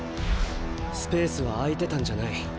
スペースは空いてたんじゃない。